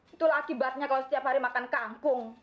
itulah akibatnya kalau setiap hari makan kangkung